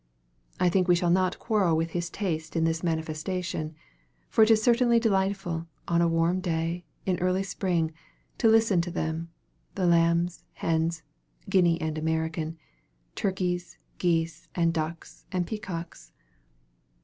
I think we shall not quarrel with his taste in this manifestation; for it is certainly delightful, on a warm day, in early spring, to listen to them, the lambs, hens Guinea and American turkeys, geese, and ducks and peacocks.